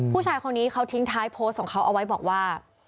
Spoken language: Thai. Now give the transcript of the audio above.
ผู้ชายคนนี้เขาทิ้งท้ายโพสต์ของเขาเอาไว้บอกว่า